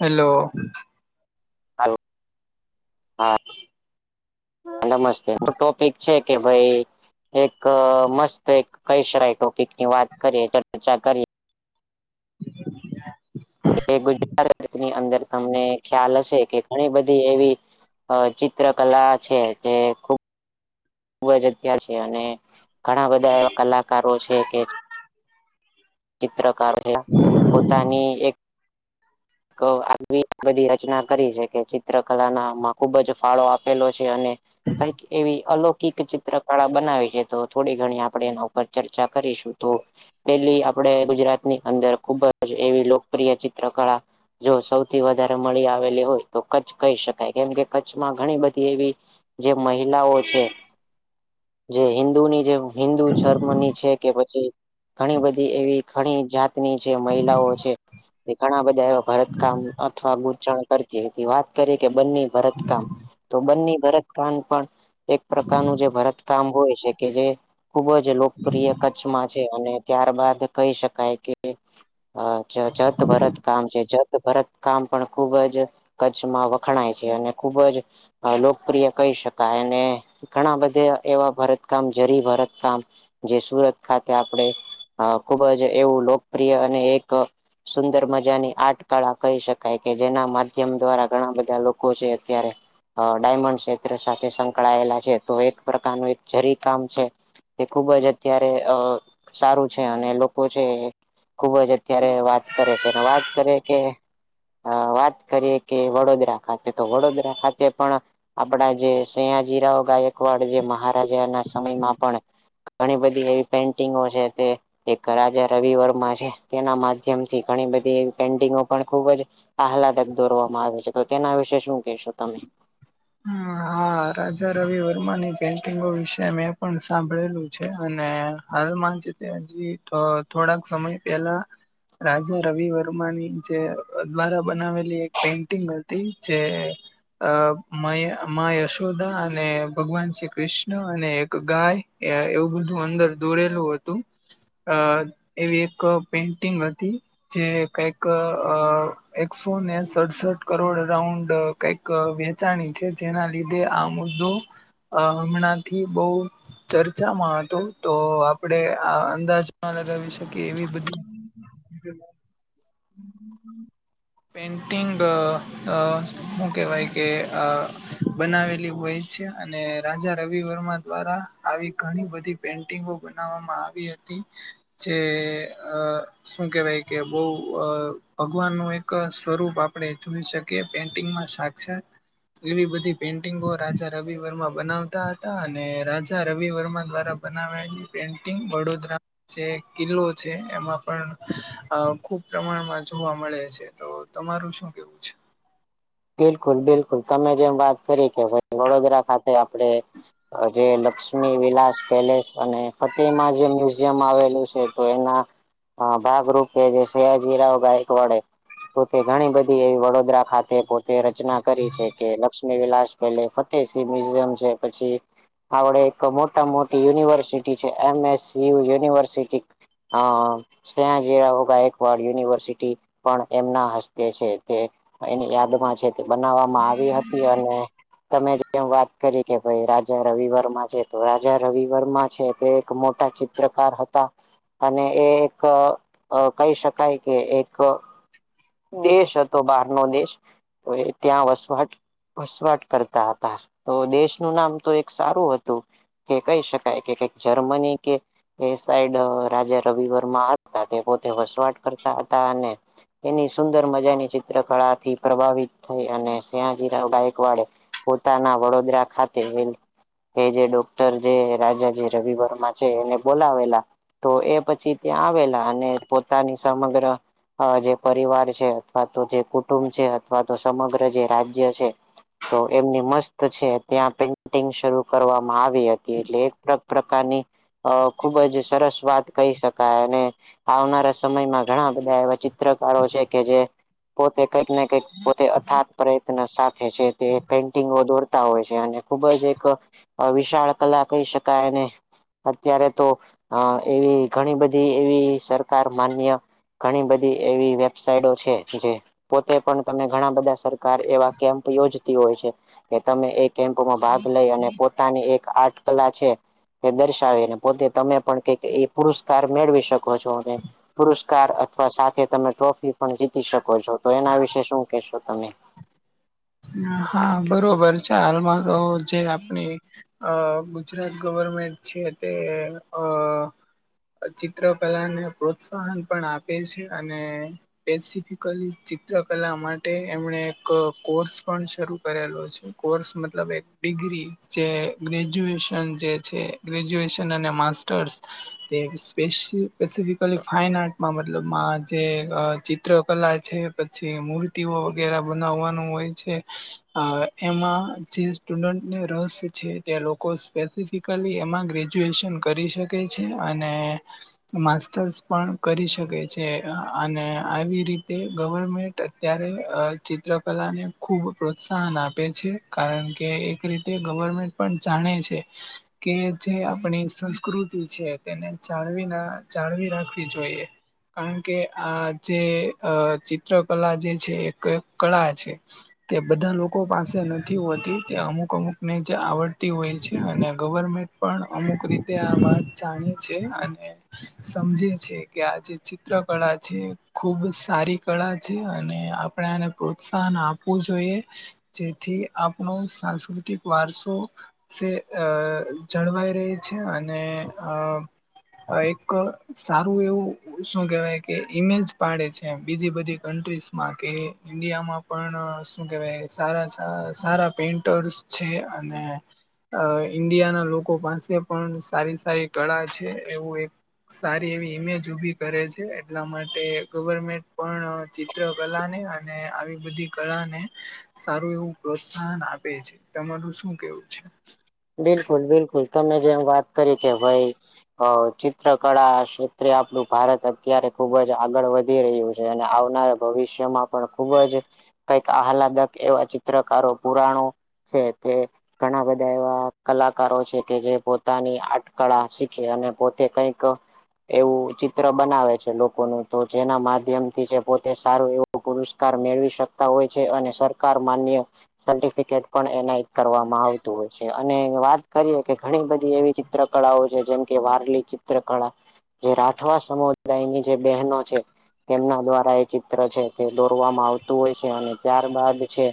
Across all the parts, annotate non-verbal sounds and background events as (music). Hello હ હા નમસ્તે ન ટોપિક છે કે ભાઈ એક મસ્ત એક કહી શ ટોપિક ની વાત કરીએ ચર્ચા કરીએ કે ગુજરાત ની અંદર તમને ખ્યાલ હશે કે ઘણી બધી એવી અ ચિત્રકલા છે જે ખુબ ખૂબ જ અત્યા છે અને ઘણા બધા એવા કલાકારો છે કે ચિત્રકાર છે પોતાની એક આવી બધી રચના કરી છે કે ચિત્ર કલા નામાં ખુબ જ ફાળો આપેલો છે અને કઈ એવી અલૌકિક ચિત્ર કળા બનાવી છે તો થોડી ઘણી આપણે એના ઉપર ચર્ચા કરીશું તો પેલી આપડે ગુજરાત ની અંદર ખુબ જ એવી લોકપ્રિય ચિત્રકળ જો સૌથી વધારે મળી આવેલી હોય તો કચ્છ કહી શકાય કેમ કે કચ્છમાં ઘણી બધી એવી જે મહિલાઓ છે જે હિન્દુની જે હિન્દુ ધર્મની છે કે પછી ઘણી બધી એવી ઘણી જાતની છે મહિલાઓ છે ઘણા બધા એવા ભરત કામ અથવા ગુચણ કરતી વાત કરી કે બન્ને ભરત કામ તો બન્ની ભરત પણ એક પ્રકારનું જે ભરત કામ હોય છે કે જે ખુબ જ લોકપ્રિય કચ્છમાં છે અને ત્યારબદ કહી શકાય કે હ જત ભરત કામ છે જત ભરત કામ પણ ખૂબ જ કચ્છમાં વખણાય છે અને ખૂબ જ લોકપ્રિય કહી શકાય અને ઘણા બધા એવા ભરતકામ જરી ભરતકામ જે સુરત ખાતે આપડે અ ખુબ જ એવું લોકપ્રિય અને એક સુંદર મજાની આર્ટ કળા કહી શકાય કે જેના માધ્યમ દ્વારા ઘણા બધા લોકો છે અત્યારે ડાયમંડ ક્ષેત્ર સાથે સંકળાયેલા છે તો એક પ્રકારનું એક જરી કામ છે તે ખુબ જ અત્યારે સારું છે અને લોકો છે ખુબ જ અત્યારે વાત કરે છે વાત કરે કે વાત કરીએ કે વડોદરા ખાતે તો વડોદરા ખાતે પણ આપડા જે સયાજીરાવ ગાયકવાડ જે મહારાજાના સમયમાં પણ ઘણી બધી એવી પેન્ટિંગો છે તે એક રાજા રવિ વર્મા છે તેના માધ્યમથી ઘણી બધી પણ ખુબ જ આહલાદક દોરવામાં આવે છે તો તેના વિશે શું કેહેશો તમે હ હા રાજા રવિ વર્માની પેન્ટિંગો વિશે મેં પણ સાંભળેલું છે અને હાલમાં હજી થોડાક સમય પેલા રાજા રવિ વર્માની જે દ્વારા બનાવેલી એક પેઇન્ટિંગ હતી જે અ મા યશોદા અને ભગવાન શ્રી કૃષ્ણ અને એક ગાય એવું બધું અંદર દોરેલું હતું અ એવી એક પેન્ટિંગ હતી. જે કંઈક એકસો ને સડસઠ કરોડ અરાઉન્ડ કંઈક, ચાણી છે, જેના લીધે આ મુદ્દો. અ હમણાંથી બહુ ચર્ચામાં હતું તો આપડે આ અંદાજ‌. ના લગાવી શકે એવી બધી, પેન્ટિંગ શું કેવાય. કે બનાવેલી હોય છે, અને રાજા રવિ વર્મા દ્વારા આવી ઘણી બધી. પેન્ટિંગો બનાવવામાં આવી હતી, જે અ શું કેવાય કે બહુ અ ભગવાનનું એક સ્વરૂપ આપડે જોઈ શકીએ. કે પેન્ટિંગમાં સાક્ષાત. એવી બધી પેઇન્ટિંગો રાજા રવિ વર્મા બનાવતા હતા અને રાજા રવિ વર્મા દ્વારા, બનાવાયલી પેન્ટિંગ વડોદરા, જે કિલ્લો છે, એમાં પણ ખુબ પ્રમાણમાં જોવા મળે છે, તો તમારું શું કેવું છે, બિલકુલ બિલકુલ તમે જેમ વાત કરી કે ભાઈ વડોદરા ખાતે આપડે, જે લક્ષ્મી વિલાસ પેલેસ અને ફતે જેમ. આવેલું છે, તો એના ભાગરૂપે જે સયાજીરાવ ગાયકવાડે. તો ઘણી બધી એ વડોદરા ખાતે, તે રચના કરી છે, કે લક્ષ્મી વિલાસ પે ફતેસિ મ્યુઝિયમ છે, પછી આપડે એક મોટા મોટી યુનિવર્સિટી છે, એમ એસયુ યુનિવર્સિટી હા હ (inaudible) સયાજી ગાયકવાડ યુનિવર્સિટી પણ એમના હસ્તે છે, તે એની યાદમાં છે, તે બનાવવામાં આવી હતી, અને તમે જેમ વાત કરી કે ભાઈ રાજા રવિવર્મા છે, તો રાજા રવિવર્મા છે, તે એક મોટા ચિંતામાં. ચિત્રકાર હતા અને એ એક કહી શકાય, કે એક. દેશ હતો બહારનો દેશ તો એ ત્યાં વસવાટ વસવાટ કરતા હતા. તો દેશનું નામ તો એક સારું હતું કે કહી શકાય કે જર્મની કે, એ સાઈડરાજા રવિ વર્મા હતા તે પોતે વસવાટ કરતા હતા, અને એની સુંદર મજાની ચિત્રકળા થી પ્રભાવિત થઈ અને સહાજીરાવકવાડે. પોતાના વડોદરા ખાતે જે ડોક્ટર જે રાજા. જવીભર માં છે, એને બોલાવેલા. તોએ પછી ત્યાં આવેલા અને પોતાની સમગ્ર જે. પરિવાર છે, અથવા તો જે કુટુંબ છે, અથવા તો સમગ્ર જે રાજ્ય છે. તો એમની મસ્ત છે, ત્યાં ડ્રિક શરૂ કરવામાં આવી હતી, એટલે એક પ્રકારની અ ખુબ જ સરસ વાત કહી શકાય, અને આવનારા સમયમાં ઘણા બધા એવા. ચિત્રકારો છે, કે જે પોતે કંઈક ને કંઈક પોતે અથાત પ્રયત્ન સાથે છે. તે પેઇન્ટિંગો દોરતા હોય છે, અને ખુબ જ એક વિશાળ કલા કહી શકાયને. અત્યારે તો, અ એવી ઘણી બધી એવી સરકાર માન્ય ઘણી બધી, એવી વેબસાઇટો છે, જે પોતે પણ તમે ઘણા બધા સરકાર એવા કેમ્પ યોજતી હોય છે, કે તમે એ કેમ્પમાં ભાગ લઈ અને પોતાની એક આર્ટ કલા છે. તે દર્શાવીને પોતે તમે પણ કંઈકએ પુરસ્કાર મેળવી શકો. છો, પુરસ્કાર અથવા સાથે તમે ટ્રોફી પણ જીતી શકો છો, તો એના વિશે શું કેશો તમે. હા બરોબર છે, હાલમાં તો જે આપણી અ ગુજરાત ગવર્મેન્ટ છે, તે અ ચિત્રકલાને પ્રોત્સાહન પણ આપે છે, અને સેફિકલી ચિત્રકલા માટે એમણે એક કોર્સ. પણ શરૂ કરેલો છે કોર્સ મતલબ એક ડિગ્રી જે ગ્રેજ્યુએશન જે છે. ગ્રેજ્યુએશન અને માસ્ટર્સ તે સ્પેસિફિકલી ફાઈન આર્ટમાં મતલબ જે ચિત્રકલા છે પછી મૂર્તિઓ વગેરે બનાવવાનું હોય છે. એમાં જે સ્ટુડન્ટને રસ છે તે લોકો સ્પેસિફિક કલી એમાં ગ્રેજ્યુએશન કરી શકે છે અને માસ્ટર્સ પણ કરી શકે છે. અને આવી રીતે ગવર્મેન્ટ અત્યારે ચિત્રકલા ને ખૂબ પ્રોત્સાહન આપે છે. કારણ કે એક રીતે ગવર્મેન્ટ પણ જાણે છે. કે જે આપણી સંસ્કૃતિ છે. તેને જાળવી ના જાળવી રાખવી જોઈએ. કારણ કે આ જે ચિત્રકલા જે છે એક કળા છે. તે બધા લોકો પાસે નથી હોતી તે અમુક અમુક ને જે આવડતી હોય છે. અને ગવર્મેન્ટ પણ અમુક રીતે આ વાત જાણે છે અને સમજે છે કે આ જે ચિત્ર કળા છે ખુબ સારી કળા છે અને આ આપણે આને પ્રોત્સાહન આપવું જોઈએ. જેથી આપણો સાંસ્કૃતિક વારસો છે અ જળવાઈ રહે છે, અને અ એક સારું એવું શું કેહેવાય કે ઈમેજ પાડે છે બીજી બધી કન્ટ્રીઝ મા કે ઈન્ડિયામાં પણ શું કેવાય? સારા સારા પેન્ટર્સ છે, અને અ ઈન્ડિયા ના લોકો પાસે પણ સારી સારી કળા છે એવું એક સારી એવી ઇમેજ ઉભી કરે છે એટલા માટે ગવર્મેન્ટ પણ ચિત્ર કલા ને અને આવી બધી કળાને સારું એવું પ્રોત્સાહન આપે છે. તમારું શું કેવું છે? બિલકુલ બિલકુલ તમે જેમ વાત કરી કે ભાઈ હ ચિત્ર કળા ક્ષેત્રે આપણું ભારત અત્યારે ખુબ જ આગળ વધી રહ્યું છે. અને આવનારા ભવિષ્યમાં પણ ખુબ જ કંઈક આહલાદક એવા ચિત્રકારો પુરાણો છે તે ઘણા બધા એવા કલાકારો છે કે, જે પોતાની આર્ટકળા શીખે અને પોતે કંઈક એવું ચિત્ર બનાવે છે લોકોનું તો જેના માધ્યમ થી જે પોતે સારું એવું પુરસ્કાર મેળવી શકતા હોય છે અને સરકાર માન્ય સર્ટિફિકેટ પણ એનાયત કરવામાં આવ તુ હોય અને વાત કરીએ કે ઘણી બધી એવી ચિત્ર કળાઓ છે જેમ કે વારલી ચિત્ર કળા જે રાઠવા સમુદાયની જે બહેનો છે તેમના દ્વારા એ ચીત્ર છે તે દોરવામાં આવતું હોય છે અને ત્યારબાદ છે.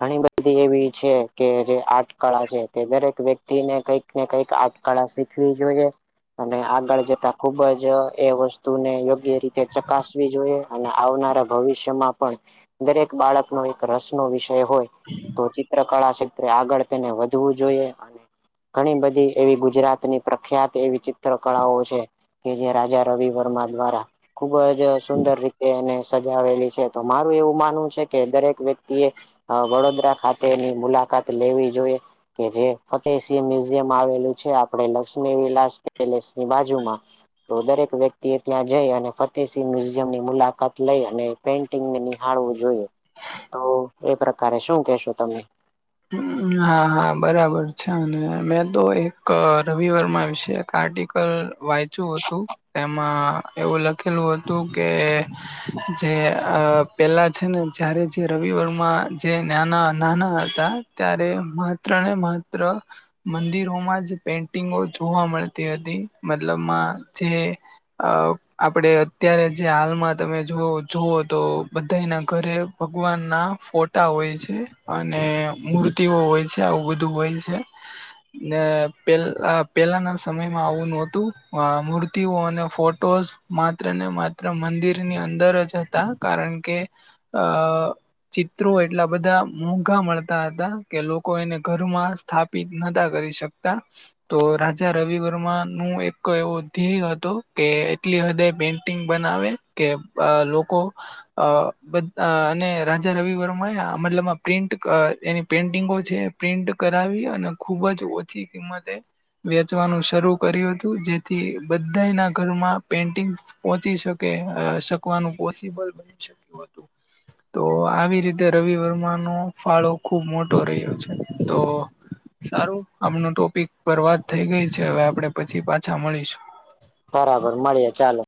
ઘણી બધી એવી છે કે જે આર્ટકળા છે તે દરેક વ્યક્તિને કઈક ને કઈક આર્ટકળા શીખવી જોઈએ. અને આગળ જતા ખુબ જ એ વસ્તુને યોગ્ય રીતે ચકાસવી જોઈએ. અને આવનારા ભવિષ્યમાં પણ દરેક બાળકનો એક રસ નો વિષય હોય તો ચિત્રકળા ક્ષેત્રે આગળ તેને વધવુ જોઈએ ઘણી બધી એવી ગુજરાતની પ્રખ્યાત એવી ચિત્ર ચિત્રકળાઓ છે કે જે રાજા રવિ વર્મા દ્વારા ખુબ જ સુંદર રીતે એને સજાવેલી છે. તો મારું એવું માનવું છે કે દરેક વ્યક્તિએ વડોદરા ખાતેની મુલાકાત લેવી જોઈએ. કે જે ફતેહસિંહ મ્યુઝિયમ આવેલું છે આપે લક્ષ્મી વિલાસ પેલેસની બાજુમાં તો દરેક વ્યક્તિ એ ત્યાં જઈ અને ફતેહસિંહ મ્યુઝિયમ ની મુલાકાત લઈ અને પેઈન્ટ નિહાળવું જોઈએ. તો એ પ્રકારે શું કેશો તમે? હા હા બરાબર છે. અને મેં તો એક રવિવર્મા વિશે આર્ટિકલ વાંચ્યું હતું, તેમાં એવું લખેલું હતું કે જે પેલા છે ને જારે જે રવિવાર માં જે નાના નાના ત્યારે માત્ર ને માત્ર મંદિરોમાં જ પેન્ટિંગો જોવા મળતી હતી મતલબમાં જે અ આપડ અત્યારે જે હાલમાં તમે જો જુઓ તો બધાના ઘરે ભગવાન ના ફોટા હોય છે, અને અને મૂર્તિઓ હોય છે, આવું બધું હોય છે. ને પે પેલાના સમયમાં આવું ન હતું, મૂર્તિઓ અને ફોટોઝ. માત્ર ને માત્ર મંદિરની અંદર જ હતા, કારણ કે. અ ચિત્રો એટલા બધા મુ ઉઘા મળતા હતા કે લોકો એને ઘરમાં સ્થાપિત નતા કરી શકતા. તો રાજા રવિ વર્મા નું એક એવો ધ્યેય હતો કે, એટલી હદય પે. બનાવે કે, લોકો અ, બ અને રાજા રવિ વર્મા, મતલબ. પ્રિન્ટ, એની પ્રેન્ટિંગો છે, પ્રિન્ટ કરાવી અને ખુબ જ ઓછી કિંમતે. વેચવાનું શરૂ કર્યું હતું, જેથી બધાના ઘરમાં પેન્ટિંગ. પહોંચી શકે, શકવાનું પોસિબલ બની શક્યું હતું. તો આવી રીતે રવિ વર્મા. ન, ફાળો ખુબ મોટો રહ્યો છે, તો સારું, આમનું ટોપિક બરબાદ થઈ ગઈ છે. હવે આપડે પછી પાછા મળીશું. બરાબર, મળીએ. ચાલો.